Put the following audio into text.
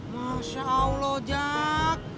masya allah jak